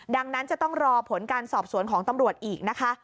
ดังนั้นจะต้องรอผลการสอบสวนของตำรวจอีกนะคะ